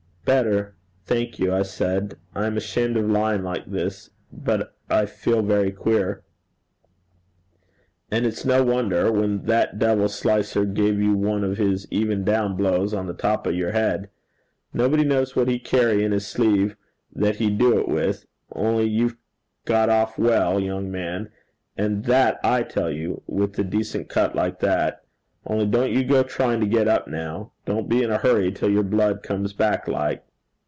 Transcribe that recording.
'Better, thank you,' I said. 'I am ashamed of lying like this, but I feel very queer.' 'And it's no wonder, when that devil Slicer give you one o' his even down blows on the top o' your head. Nobody knows what he carry in his sleeve that he do it with only you've got off well, young man, and that I tell you, with a decent cut like that. Only don't you go tryin' to get up now. Don't be in a hurry till your blood comes back like.'